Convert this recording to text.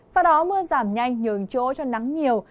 sau đó mưa giảm nhanh nhường chỗ cho nắng nhiều